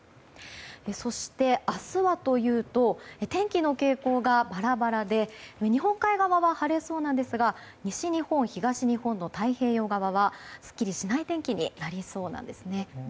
そして、明日はというと天気の傾向がバラバラで日本海側は晴れそうですが西日本、東日本の太平洋側はすっきりしない天気になりそうです。